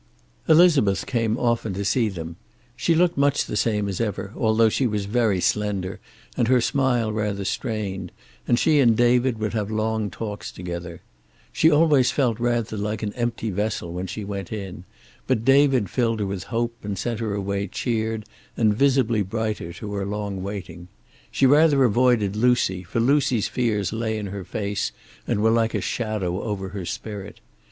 Elizabeth came often to see them. She looked much the same as ever, although she was very slender and her smile rather strained, and she and David would have long talks together. She always felt rather like an empty vessel when she went in, but David filled her with hope and sent her away cheered and visibly brighter to her long waiting. She rather avoided Lucy, for Lucy's fears lay in her face and were like a shadow over her spirit.